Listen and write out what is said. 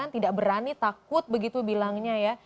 tidak berani takut begitu bilangnya ya